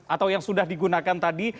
atau yang sudah digunakan tadi